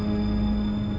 aku bisa sembuh